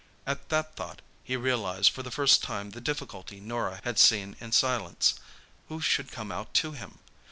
At that thought he realised for the first time the difficulty Norah had seen in silence—who should come out to him?